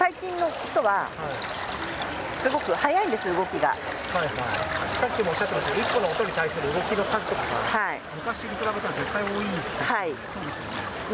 ふうっさっきもおっしゃってましたけど１個の音に対する動きの数とかが昔に比べたら絶対多いんですよね